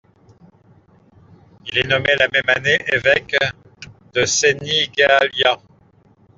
Il est nommé la même année évêque de Senigallia.